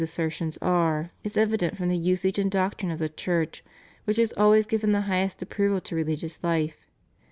assertions are, is evident from the usage and doctrine of the Church, which has always given the highest approval to rehgious Hfe.